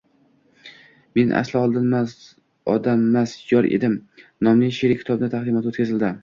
«Men asli odammas, yor edim» nomli she’riy kitob taqdimoti o‘tkazildi